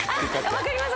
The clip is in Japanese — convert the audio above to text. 分かります